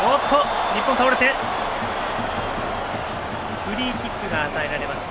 日本倒れて、フリーキックが与えられました。